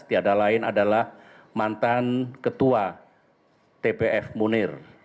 tiada lain adalah mantan ketua tpf munir